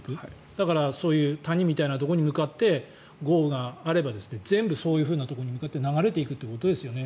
だから、そういう谷みたいなところに向かって豪雨があれば全部そういうところに向かって水が流れていくということですよね。